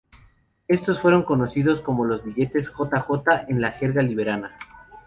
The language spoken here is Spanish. Estos fueron conocidos como los billetes "J. J." en la jerga liberiana.